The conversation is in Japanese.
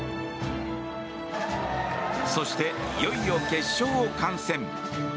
そして、いよいよ決勝を観戦。